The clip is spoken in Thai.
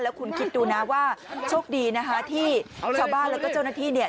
คุณคิดดูนะว่าโชคดีนะคะที่ชาวบ้านแล้วก็เจ้าหน้าที่เนี่ย